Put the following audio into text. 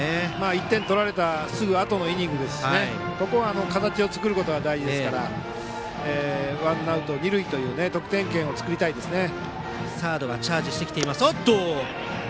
１点取られたすぐあとのイニングですしここは形を作ることが大事ですからワンアウト、二塁という得点圏を作りたいですね。